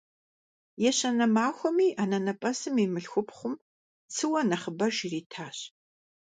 Ещанэ махуэми анэнэпӀэсым и мылъхупхъум цыуэ нэхъыбэж иритащ.